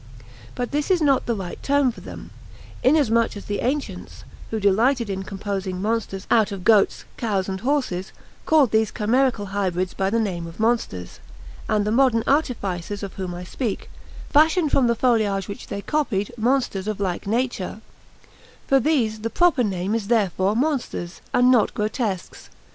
But this is not the right term for them, inasmuch as the ancients, who delighted in composing monsters out of goats, cows, and horses, called these chimerical hybrids by the name of monsters; and the modern artificers of whom I speak, fashioned from the foliage which they copied monsters of like nature; for these the proper name is therefore monsters, and not grotesques.